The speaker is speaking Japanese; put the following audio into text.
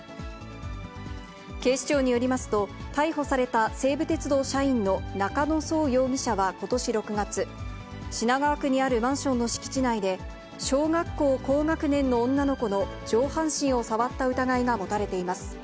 警視庁によりますと、逮捕された西武鉄道社員の中野聡容疑者はことし６月、品川区にあるマンションの敷地内で、小学校高学年の女の子の上半身を触った疑いが持たれています。